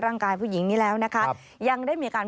ร่างกายผู้หญิงนี้แล้วยังได้มีการ